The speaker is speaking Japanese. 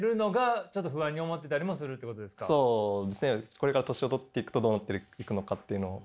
これから年を取っていくとどうなっていくのかっていうのを。